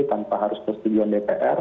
tanpa harus persetujuan dpr